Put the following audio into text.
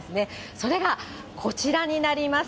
それがこちらになります。